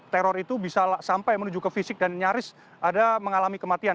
teror itu bisa sampai menuju ke fisik dan nyaris ada mengalami kematian